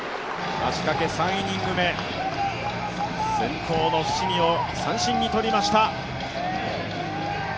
足かけ３イニング目、先頭の伏見を三振に取りました。